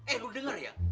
eh lu denger ya